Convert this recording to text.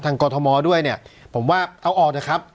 ทางกฎธมรดิ์ด้วยเนี่ยผมว่าเอาออกนะครับ